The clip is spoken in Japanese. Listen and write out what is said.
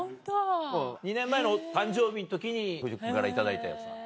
２年前の誕生日の時に藤木君から頂いたやつなの。